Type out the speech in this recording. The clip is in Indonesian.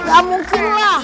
gak mungkin lah